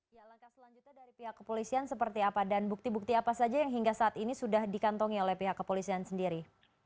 ya langkah selanjutnya dari pihak kepolisian seperti apa dan bukti bukti apa saja yang hingga saat ini sudah dikantongi oleh pihak kepolisian sendiri